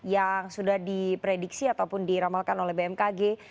yang sudah diprediksi ataupun diramalkan oleh bmkg